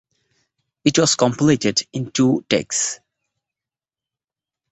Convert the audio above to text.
It was completed in two takes.